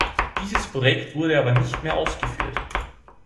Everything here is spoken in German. Dieses Projekt wurde aber nicht mehr ausgeführt.